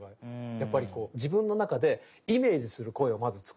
やっぱりこう自分の中でイメージする声をまず作る。